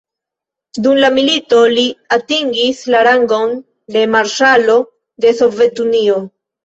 Dum la milito, li atingis la rangon de Marŝalo de Sovetunio.